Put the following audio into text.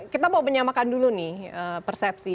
kita mau menyamakan dulu nih persepsi